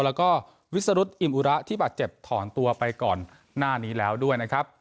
แล้วก็วิสรุธอิมอุระที่บาดเจ็บถอนตัวไปก่อนหน้านี้แล้วด้วยนะครับ